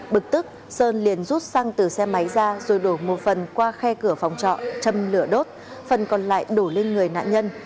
bực tức sơn liền rút xăng từ xe máy ra rồi đổ một phần qua khe cửa phòng trọ châm lửa đốt phần còn lại đổ lên người nạn nhân